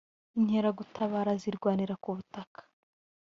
inkeragutabara zirwanira ku butaka